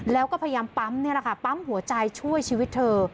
แล้วก็พยายามปั๊มหัวใจช่วยชีวิตเธอ